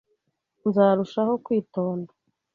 Nzarushaho kwitonda.